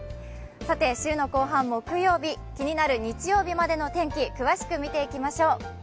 週の後半、木曜日気になる日曜日までの天気詳しく見ていきましょう。